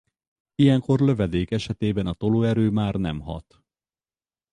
Ilyenkor lövedék esetében a tolóerő már nem hat.